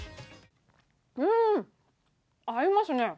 うん、合いますね！